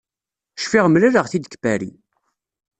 Cfiɣ mlalelɣ-t-id deg Paris.